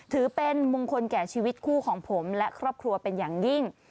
ถือเป็นมงคลแก่ชีวิตคู่ของผมและครอบครัวเป็นอย่างยิ่ง